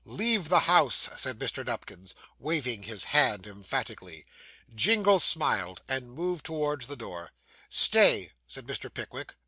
'Leave the house!' said Mr. Nupkins, waving his hand emphatically. Jingle smiled, and moved towards the door. 'Stay!' said Mr. Pickwick.